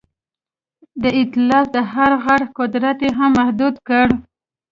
د ایتلاف د هر غړي قدرت یې هم محدود کړ.